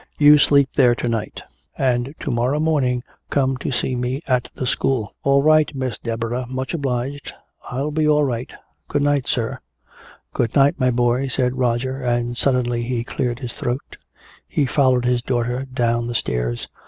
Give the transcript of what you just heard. You sleep there to night, and to morrow morning come to see me at the school." "All right, Miss Deborah, much obliged. I'll be all right. Good night, sir " "Good night, my boy," said Roger, and suddenly he cleared his throat. He followed his daughter down the stairs.